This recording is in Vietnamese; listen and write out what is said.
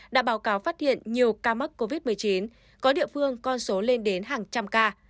đã báo cáo phát hiện nhiều ca mắc covid một mươi chín có địa phương con số lên đến hàng trăm ca